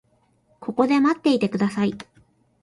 ここで待っていてください。